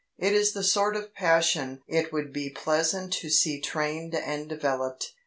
It is the sort of passion it would be pleasant to see trained and developed.